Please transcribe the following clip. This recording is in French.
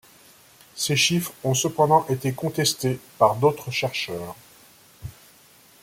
Ces chiffres ont cependant été contestés par d'autres chercheurs.